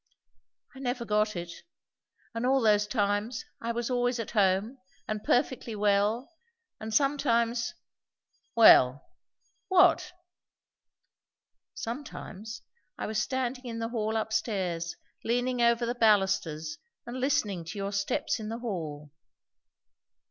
"I never got it. And all those times I was always at home, and perfectly well, and sometimes " "Well what?" "Sometimes I was standing in the hall up stairs, leaning over the balusters and listening to your steps in the hall."